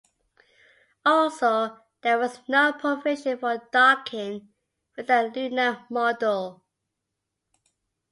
Also, there was no provision for docking with the Lunar Module.